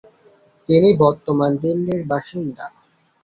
তিনি বর্তমান দিল্লীর বাসিন্দা।